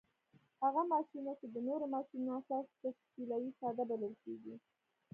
هغه ماشینونه چې د نورو ماشینونو اساس تشکیلوي ساده بلل کیږي.